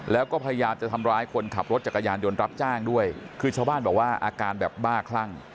แล้วก็พยายามจะทำร้ายคนขับรถจักรยานยนต์รับจ้างด้วยคือชาวบ้านบอกว่าอาการแบบบ้าคลั่ง